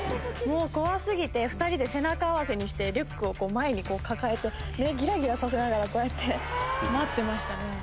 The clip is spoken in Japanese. もう怖過ぎて２人で背中合わせにしてリュックを前に抱えて目ギラギラさせながらこうやって待ってましたね。